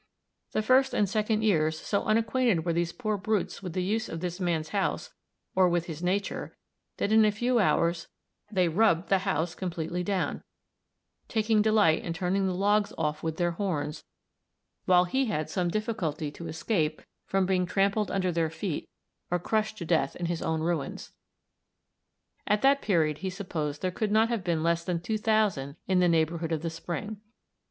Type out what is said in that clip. ] "The first and second years, so unacquainted were these poor brutes with the use of this man's house or with his nature, that in a few hours they rubbed the house completely down, taking delight in turning the logs off with their horns, while he had some difficulty to escape from being trampled under their feet or crushed to death in his own ruins. At that period he supposed there could not have been less than 2,000 in the neighborhood of the spring.